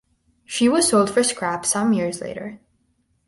She was sold for scrap some years later.